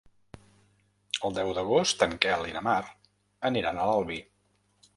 El deu d'agost en Quel i na Mar aniran a l'Albi.